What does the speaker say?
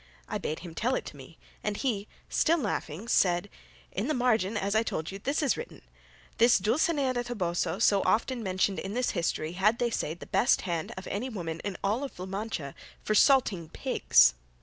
I bade him tell it to me; and he still laughing said, "In the margin, as I told you, this is written: 'This Dulcinea del Toboso so often mentioned in this history, had, they say, the best hand of any woman in all La Mancha for salting pigs.